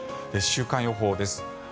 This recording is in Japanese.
週間予報です。